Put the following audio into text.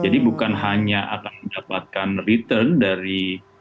jadi bukan hanya akan mendapatkan return dari